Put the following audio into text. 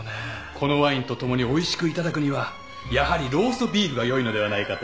このワインとともにおいしくいただくにはやはりローストビーフがよいのではないかと。